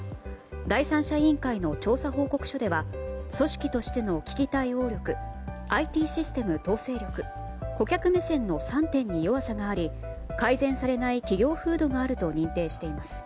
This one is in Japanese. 第三者委員会の調査報告書では組織としての危機対応力ＩＴシステム統制力顧客目線の３点に弱さがあり改善されない企業風土があると認定しています。